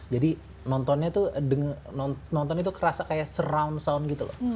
jadi nontonnya tuh kerasa kayak surround sound gitu loh